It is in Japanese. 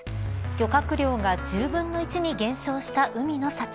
漁獲量が１０分の１に減少した海の幸。